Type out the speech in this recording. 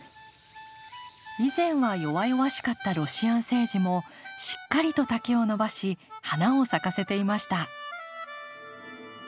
以前は弱々しかったロシアンセージもしっかりと丈を伸ばし花を咲かせていました。